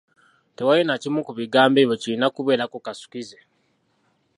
Tewali na kimu ku bigambo ebyo kirina kubeerako kasukkize.